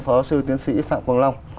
phó sư tiến sĩ phạm quang long